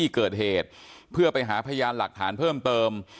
เกิดเหตุเพื่อไปหาพยานหลักฐานเพิ่มเติม